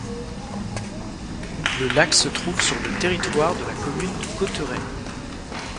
Le lac se trouve sur le territoire de la commune de Cauterets.